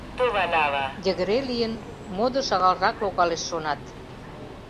Йыгыре лийын, модо шагалрак логалеш, шонат.